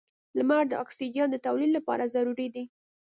• لمر د اکسیجن د تولید لپاره ضروري دی.